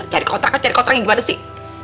cari kontrakan cari kontrakan gimana sih